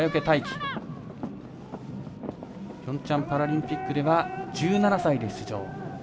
ピョンチャンパラリンピックには１７歳で出場。